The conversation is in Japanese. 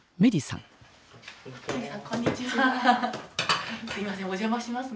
すいませんお邪魔します